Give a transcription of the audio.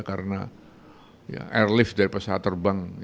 karena ya airlift dari pesawat terbang